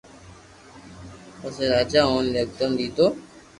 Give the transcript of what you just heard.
پسي راجا اوني ھڪم ديدو